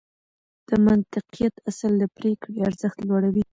د منطقيت اصل د پرېکړې ارزښت لوړوي.